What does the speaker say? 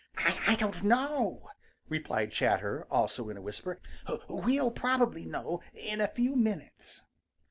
"I don't know," replied Chatterer, also in a whisper. "We'll probably know in a few minutes."